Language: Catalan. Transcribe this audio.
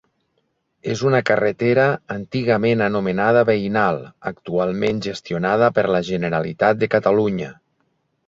És una carretera antigament anomenada veïnal, actualment gestionada per la Generalitat de Catalunya.